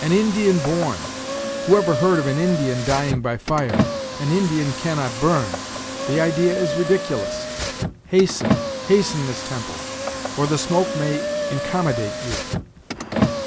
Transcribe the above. "An Indian born! who ever heard of an Indian dying by fire? An Indian cannot burn; the idea is ridiculous. Hasten, hasten, Miss Temple, or the smoke may incommodate you."